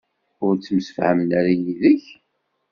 Ur ttemsefhamen ara yid-k?